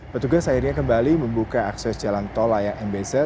petugas akhirnya kembali membuka akses jalan tol layang mbz